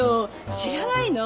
知らないの？